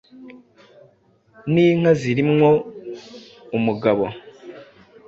Ninka ziri mwo umugabo